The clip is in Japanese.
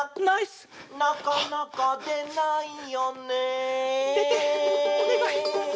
「なかなかでないよね」